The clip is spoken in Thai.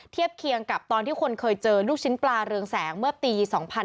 เทียบเคียงกับตอนที่คนเคยเจอลูกชิ้นปลาเรืองแสงเมื่อปี๒๕๕๙